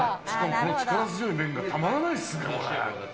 この力強い麺がたまらないっすね。